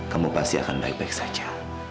kamu pasti akan baik baik saja